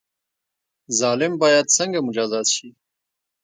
ظالم باید څنګه مجازات شي؟